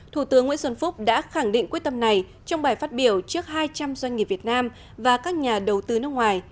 thủ tướng nguyễn xuân phúc đã khẳng định quyết tâm này trong bài phát biểu trước hai trăm linh doanh nghiệp việt nam và các nhà đầu tư nước ngoài